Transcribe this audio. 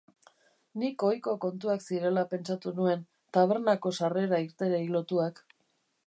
Nik ohiko kontuak zirela pentsatu nuen, tabernako sarrera-irteerei lotuak.